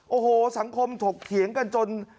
โอ้โหสังคมถกเถียงกันจน